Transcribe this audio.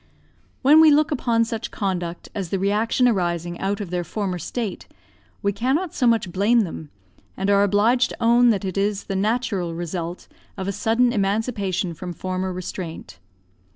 When we look upon such conduct as the reaction arising out of their former state, we cannot so much blame them, and are obliged to own that it is the natural result of a sudden emancipation from former restraint.